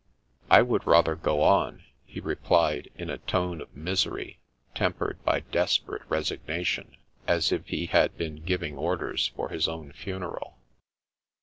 " I would rather go on," he replied, in a tone of misery tempered by desperate resignation, as if he had been giving orders for his own funeral.